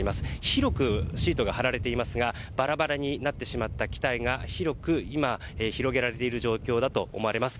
広くシートが張られていますがバラバラになってしまった機体が今、広げられている状況だと思われます。